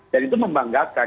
dan itu membanggakan